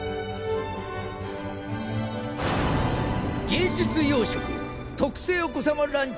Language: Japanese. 芸術洋食「特製お子さまランチ！